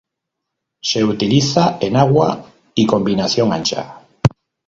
Se utiliza enagua y combinación ancha.